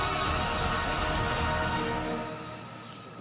nama rara santai